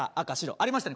ありましたね